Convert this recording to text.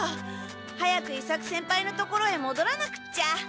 早く伊作先輩の所へもどらなくっちゃ！